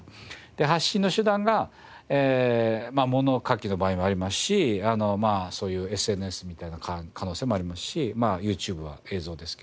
発信の手段が物書きの場合もありますしそういうＳＮＳみたいな可能性もありますしまあＹｏｕＴｕｂｅは映像ですけど。